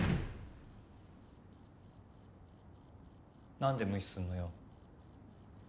なんで無視すんのよ？